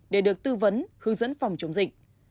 để được tư vấn hướng dẫn phòng chống dịch